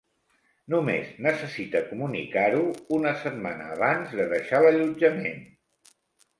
Només necessita comunicar-ho una setmana abans de deixar l'allotjament.